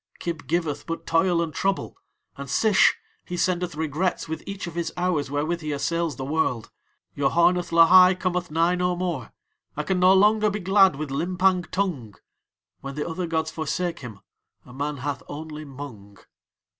Kib giveth but toil and trouble; and Sish, he sendeth regrets with each of his hours wherewith he assails the World. Yoharneth Lahai cometh nigh no more. I can no longer be glad with Limpang Tung. When the other gods forsake him a man hath only Mung."